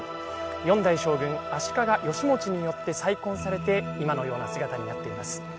４代将軍足利義持によって再建されて今のような姿になっています。